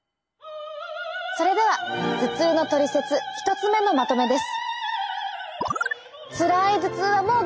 それでは頭痛のトリセツ１つ目のまとめです。